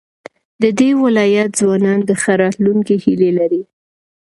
د دې ولايت ځوانان د ښه راتلونکي هيلې لري.